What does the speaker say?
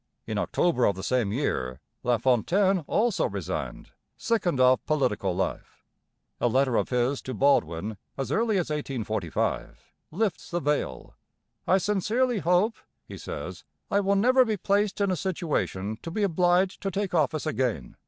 In October of the same year LaFontaine also resigned, sickened of political life. A letter of his to Baldwin, as early as 1845, lifts the veil. 'I sincerely hope,' he says, 'I will never be placed in a situation to be obliged to take office again.